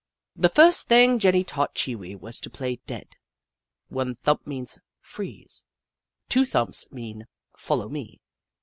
The first thing Jenny taught Chee Wee was to play dead. One thump means " freeze." Two thumps mean "follow me."